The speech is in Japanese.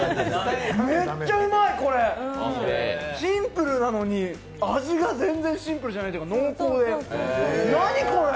めっちゃうまい、これ、シンプルなのに味が全然シンプルじゃないっていうか、濃厚で、なにこれ！